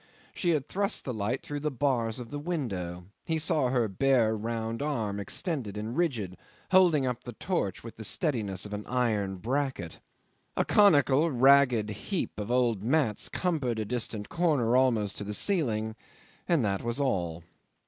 She had thrust the light through the bars of the window. He saw her bare round arm extended and rigid, holding up the torch with the steadiness of an iron bracket. A conical ragged heap of old mats cumbered a distant corner almost to the ceiling, and that was all.